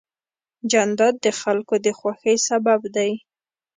جانداد د خلکو د خوښۍ سبب دی.